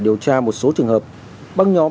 điều tra một số trường hợp băng nhóm